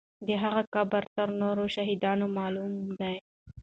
د هغې قبر تر نورو شهیدانو معلوم دی.